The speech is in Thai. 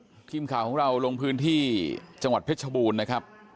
ทีมข่าวของเราลงพื้นที่จังหวัดเพชรชบูรณ์นะครับ